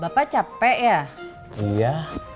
bapak capek ya iya